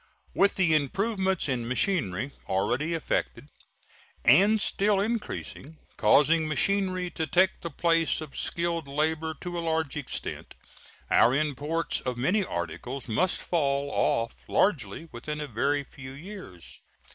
With the improvements in machinery already effected, and still increasing, causing machinery to take the place of skilled labor to a large extent, our imports of many articles must fall off largely within a very few years.